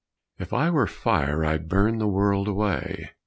IF If I were fire I'd burn the world away.